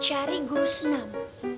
dicari guru senam